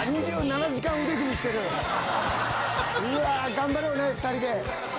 頑張ろうね２人で。